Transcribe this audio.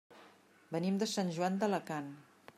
Venim de Sant Joan d'Alacant.